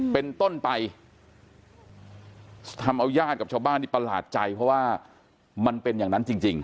เป็นต้นไปทำเอาญาติกับชาวบ้านนี่ประหลาดใจเพราะว่ามันเป็นอย่างนั้นจริง